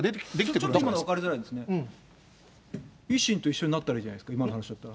ちょっと意味わかりづらいですね、維新と一緒になったらいいじゃないですか、今の話だったら。